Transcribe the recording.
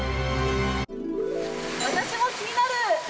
私も気になる。